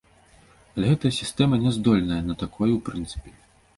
Але гэтая сістэма не здольная на такое ў прынцыпе.